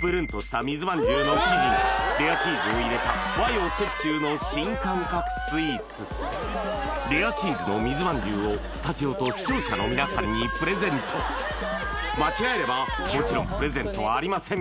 ぷるんとした水まんじゅうの生地にレアチーズを入れた和洋折衷の新感覚スイーツレアチーズの水まんじゅうをスタジオと視聴者の皆さんにプレゼント間違えればもちろんプレゼントはありません